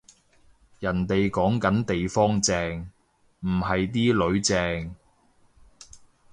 人哋講緊地方正，唔係啲囡正